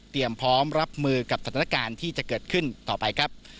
พร้อมรับมือกับสถานการณ์ที่จะเกิดขึ้นต่อไปครับ